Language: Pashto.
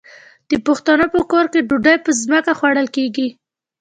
د پښتنو په کور کې ډوډۍ په ځمکه خوړل کیږي.